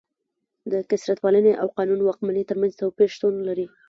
د کثرت پالنې او قانون واکمنۍ ترمنځ توپیر شتون لري.